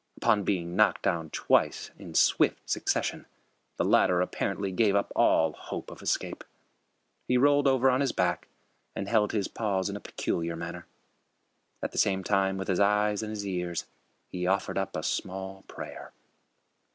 Upon being knocked down twice in swift succession, the latter apparently gave up all hope of escape. He rolled over on his back and held his paws in a peculiar manner. At the same time with his eyes and his ears he offered up a small prayer.